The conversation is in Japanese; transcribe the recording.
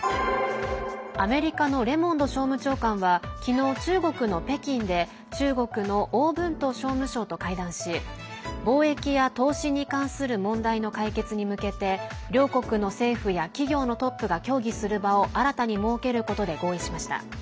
アメリカのレモンド商務長官は昨日、中国の北京で中国の王文涛商務相と会談し貿易や投資に関する問題の解決に向けて両国の政府や企業のトップが協議する場を新たに設けることで合意しました。